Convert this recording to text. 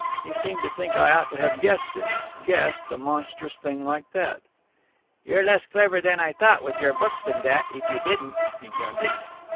he seemed to think I ought to have guessed it! Guessed a monstrous thing like that! "You're less clever than I thought, with your books and that, if you didn't," he grunted.